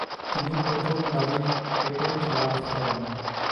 তিনি প্রথম গাড়ির পেটেন্ট লাভ করেন।